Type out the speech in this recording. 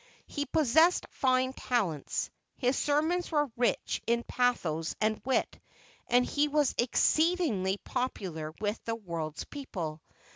He possessed fine talents; his sermons were rich in pathos and wit; and he was exceedingly popular with the world's people.